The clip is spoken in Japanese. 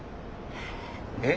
えっ？